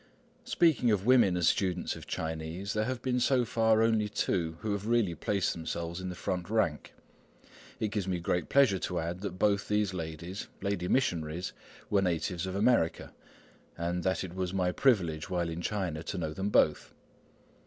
Speaking of women as students of Chinese, there have been so far only two who have really placed themselves in the front rank. It gives me great pleasure to add that both these ladies, lady missionaries, were natives of America, and that it was my privilege while in China to know them both.